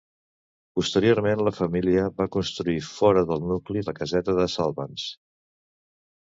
Posteriorment la família va construir fora del nucli la caseta de Salvans.